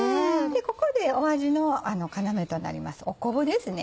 ここで味の要となります昆布ですね